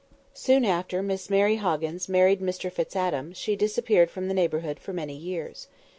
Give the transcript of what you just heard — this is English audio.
Soon after Miss Mary Hoggins married Mr Fitz Adam, she disappeared from the neighbourhood for many years.